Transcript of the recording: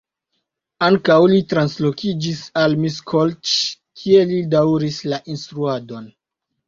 Ankaŭ li translokiĝis al Miskolc, kie li daŭris la instruadon.